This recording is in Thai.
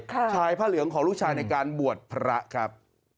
ชายผ้าเหลืองของลูกชายในการบวชพระครับ